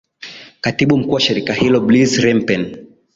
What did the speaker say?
katibu mkuu wa shirika hilo bliz rempen